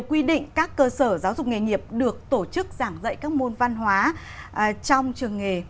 quy định các cơ sở giáo dục nghề nghiệp được tổ chức giảng dạy các môn văn hóa trong trường nghề